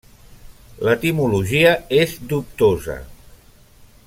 L'etimologia és dubtosa.